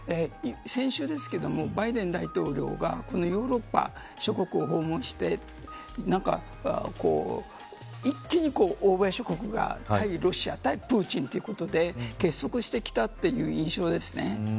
先週ですけどもバイデン大統領がヨーロッパ諸国を訪問して一気に欧米諸国が対ロシア対プーチンということで結束してきたという印象です。